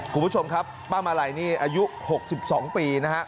คุณผู้ชมครับป้ามาลัยนี่อายุ๖๒ปีนะฮะ